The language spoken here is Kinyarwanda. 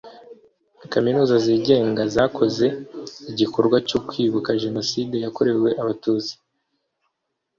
kaminuza zigenga zakoze igikorwa cyo kwibuka jenoside yakorewe abatutsi